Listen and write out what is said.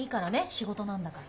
仕事なんだから。